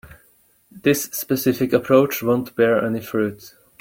This specific approach won't bear any fruit.